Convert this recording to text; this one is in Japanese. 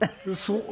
そう。